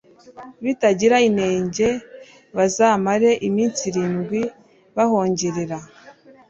bitagira inenge bazamare iminsi irindwi bahongerera d